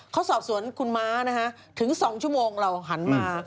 เขาสอบสวนคุณม้านะคะถึง๒ชั่วโมงเราหันมา